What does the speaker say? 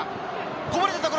こぼれたところ。